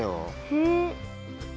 へえ。